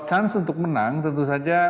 chance untuk menang tentu saja